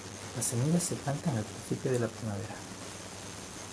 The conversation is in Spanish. Las semillas se plantan al principio de la primavera.